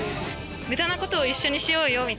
「無駄なことを一緒にしようよ」